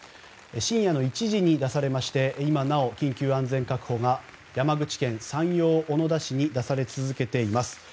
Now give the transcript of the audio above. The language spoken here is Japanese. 深夜の１時に出されまして今なお緊急安全確保が山口県山陽小野田市に出され続けています。